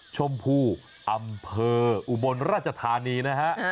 ชมพูอำเภออุบลราชธานีนะฮะ